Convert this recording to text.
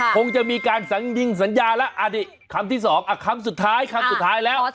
คงจะมีการสัญญาแล้วหาคนที่สองคำสุดท้ายคำสุดท้ายแล้ว